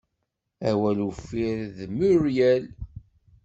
Awal uffir d Muiriel.